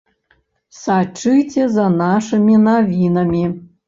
Сачыце за нашымі навінамі!